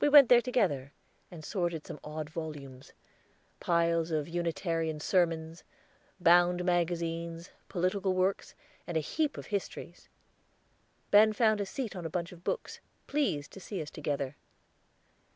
We went there together, and sorted some odd volumes; piles of Unitarian sermons, bound magazines, political works, and a heap of histories. Ben found a seat on a bunch of books, pleased to see us together.